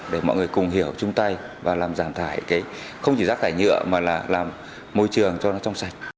để mọi người cùng hiểu chung tay và làm giảm thải không chỉ rác thải nhựa mà là làm môi trường cho nó trong sạch